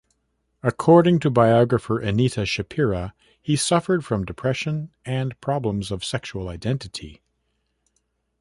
According to biographer Anita Shapira, he suffered from depression and problems of sexual identity.